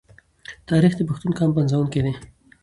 تاریخ د پښتون قام پنځونکی دی.